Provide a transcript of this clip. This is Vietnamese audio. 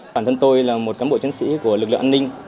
bản thân tôi là một cán bộ chiến sĩ của lực lượng an ninh